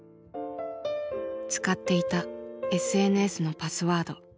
使っていたＳＮＳのパスワード。